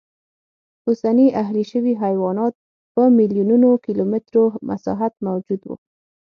اوسني اهلي شوي حیوانات په میلیونونو کیلومترو مساحت موجود و